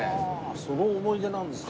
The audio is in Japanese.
その思い出なんですか。